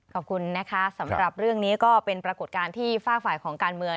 ขอบคุณนะคะสำหรับเรื่องนี้ก็เป็นปรากฏการณ์ที่ฝากฝ่ายของการเมือง